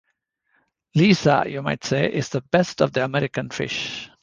Lisa, you might say, is the best of the American fish.